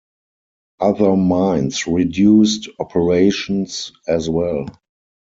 Other mines reduced operations, as well.